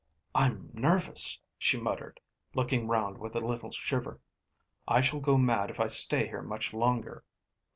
"I'm nervous," she muttered, looking round with a little shiver. "I shall go mad if I stay here much longer."